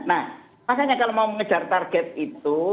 nah makanya kalau mau mengejar target itu